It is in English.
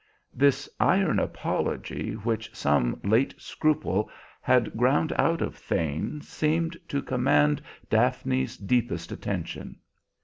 This iron apology which some late scruple had ground out of Thane seemed to command Daphne's deepest attention.